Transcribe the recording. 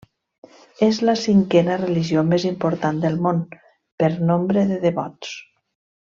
És la cinquena religió més important del món per nombre de devots.